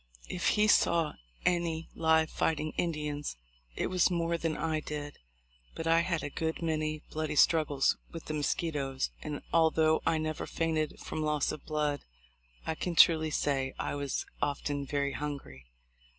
If he saw any live fighting Indians, it was more than I did, but I had a good many bloody struggles with the mosquitos ; and, although I never fainted from loss of blood, I can truly say I was often very hungry.